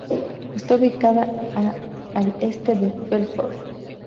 Está ubicada a al este de Belfort.